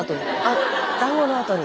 だんごのあとに。